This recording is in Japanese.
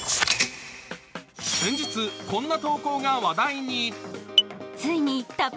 先日、こんな投稿が話題に。